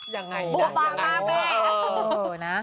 ยังไงน่ะ